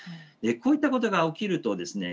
こういったことが起きるとですね